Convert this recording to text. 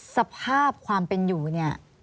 สภาพความเป็นอยู่เนี่ย